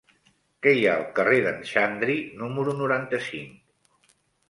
Què hi ha al carrer d'en Xandri número noranta-cinc?